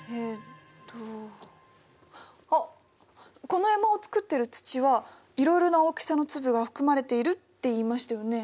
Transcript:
この山を作ってる土はいろいろな大きさの粒が含まれているって言いましたよね？